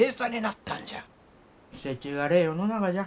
せちがれえ世の中じゃ。